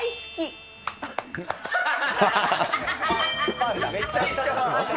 ファンだ、めちゃくちゃファン。